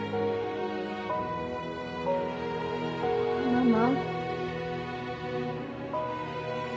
ママ？